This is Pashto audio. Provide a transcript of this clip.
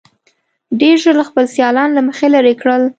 ډېر ژر خپل سیالان له مخې لرې کړل.